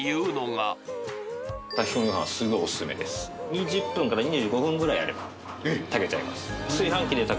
２０分から２５分ぐらいあれば炊けちゃいます